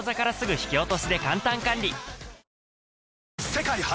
世界初！